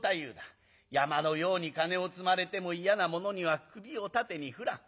山のように金を積まれても嫌なものには首を縦に振らん。